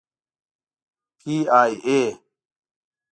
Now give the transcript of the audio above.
پی ای اې.